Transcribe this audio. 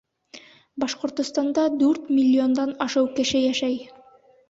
Башҡортостанда дүрт миллиондан ашыу кеше йәшәй